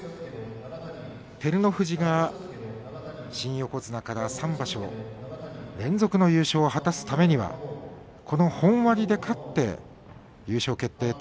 照ノ富士が新横綱から３場所連続の優勝を果たすためにはこの本割で勝って優勝決定